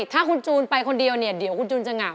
ถ้าคุณจูนไปคนเดียวเนี่ยเดี๋ยวคุณจูนจะเหงา